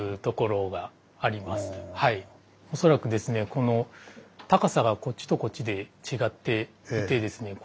この高さがこっちとこっちで違っていてですね